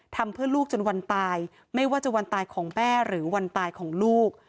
ทำเพื่อลูกจนวันตายไม่ว่าจะวันตายของแม่หรือวันตายของลูก